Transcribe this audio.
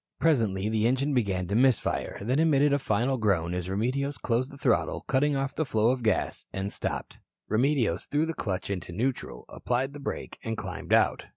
Presently the engine began to miss fire, then emitted a final groan as Remedios closed the throttle, cutting off the flow of gas, and stopped. Remedios threw the clutch into neutral, applied the brake, and climbed out.